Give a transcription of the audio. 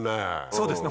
そうですね